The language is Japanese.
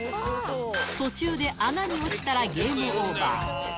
途中で穴に落ちたらゲームオーバー。